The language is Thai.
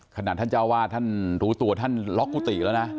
ท่านเจ้าวาดท่านรู้ตัวท่านล็อกกุฏิแล้วนะ